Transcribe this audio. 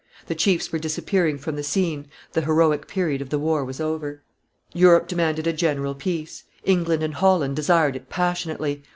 The chiefs were disappearing from the scene, the heroic period of the war was over. Europe demanded a general peace; England and Holland desired it passionately.